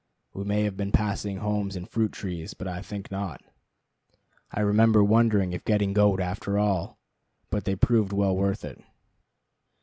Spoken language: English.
We may have been passing homes and fruit trees, but I think not. I remember wondering if getting goat after all But they proved well worth it.